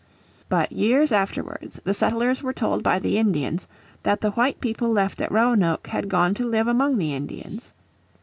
But years afterwards settlers were told by the Indians that the white people left at Roanoke had gone to live among the Indians.